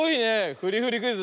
「ふりふりクイズ」